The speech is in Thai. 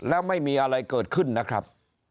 แล้วไม่มีอะไรเกิดขึ้นนะครับ